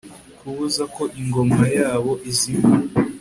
kubuza ko ingoma yabo izima